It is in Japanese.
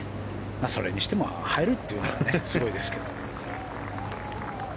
それにしても入るというのはすごいですけど。